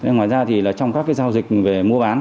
ngoài ra thì trong các giao dịch về mua bán